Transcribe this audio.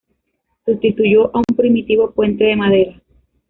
Sustituyó a un primitivo puente de madera.